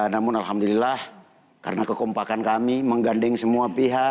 namun alhamdulillah karena kekompakan kami menggandeng semua pihak